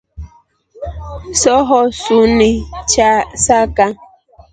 Sohosuni chasaka.